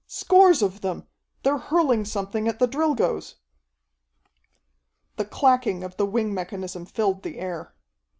"Scores of them. They're hurling something at the Drilgoes!" The clacking of the wing mechanism filled the air.